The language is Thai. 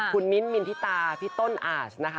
คุณมิ้นทินทิตาพี่ต้นอาจนะคะ